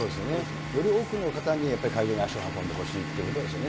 より多くの方にやっぱり会場に足を運んでほしいということですよね。